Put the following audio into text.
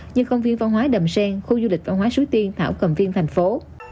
như công viên văn hóa đầm sen khu du lịch văn hóa suối tiên thảo cầm viên thành phố